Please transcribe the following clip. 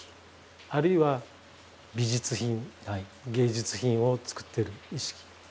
あるいは美術品芸術品をつくってる意識。